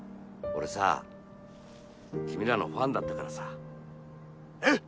俺さ君らのファンだったからさえっ？